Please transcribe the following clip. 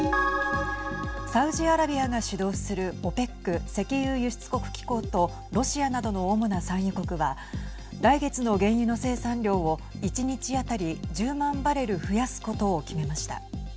サウジアラビアが主導するＯＰＥＣ＝石油輸出国機構とロシアなどの主な産油国は来月の原油の生産量を１日当たり１０万バレル増やすことを決めました。